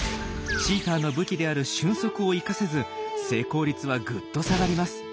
チーターの武器である俊足を生かせず成功率はぐっと下がります。